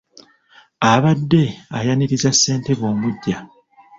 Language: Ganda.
Abadde ayaniriza ssentebe omuggya.